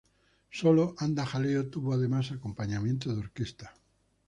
Solo "Anda jaleo" tuvo además acompañamiento de orquesta.